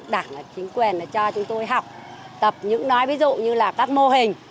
đảng chính quyền nó cho chúng tôi học tập những nói ví dụ như là các mô hình